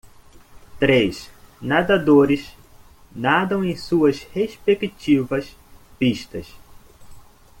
Três nadadores nadam em suas respectivas pistas.